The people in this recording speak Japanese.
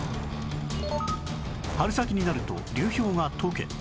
春先になると流氷が解け